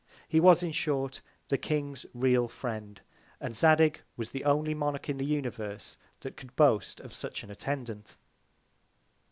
He was, in short, the King's real Friend; and Zadig was the only Monarch in the Universe that could boast of such an Attendant.